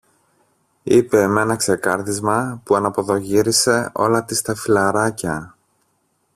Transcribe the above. είπε μ' ένα ξεκάρδισμα που αναποδογύρισε όλα της τα φυλλαράκια